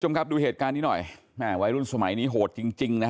จมครับดูเหตุการณ์นี้หน่อยวัยรุ่นสมัยนี้โหดจริงนะฮะ